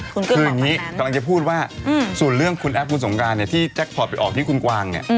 คืออย่างนี้กำลังจะพูดว่าส่วนเรื่องคุณแอฟคุณสงการเนี่ยที่แจ็คพอร์ตไปออกที่คุณกวางเนี่ย